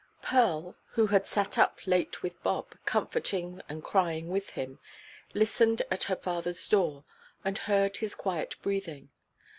Pearl, who had sat up late with Bob, comforting and crying with him, listened at her fatherʼs door, and heard his quiet breathing.